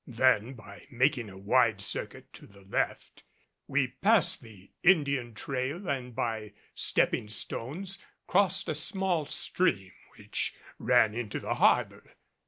Then, by making a wide circuit to the left, we passed the Indian trail and by stepping stones crossed a small stream which ran into the harbor.